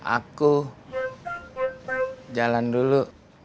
aku jalan dulu